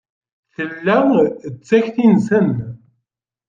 Tella d takti-nsen.